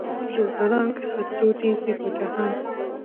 دلبران که هر څو ډېر دي په جهان کې.